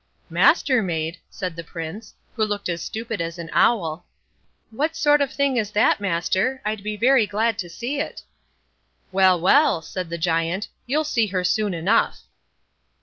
"Mastermaid!" said the Prince, who looked as stupid as an owl, "what sort of thing is that, master? I'd be very glad to see it." "Well, well!" said the Giant; "you'll see her soon enough".